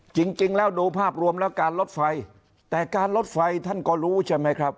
จริงแล้วดูภาพรวมแล้วการลดไฟแต่การลดไฟท่านก็รู้ใช่ไหมครับ